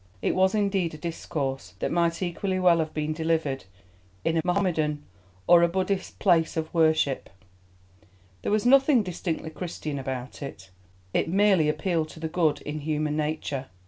It was indeed a discourse that might equally well have been delivered in a Mahomedan or a Buddhist place of worship; there was nothing distinctively Christian about it, it merely appealed to the good in human nature.